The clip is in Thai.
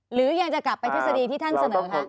หรือยังจะกลับไปทฤษฎีที่ท่านเสนอคะ